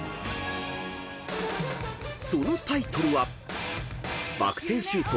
［そのタイトルは］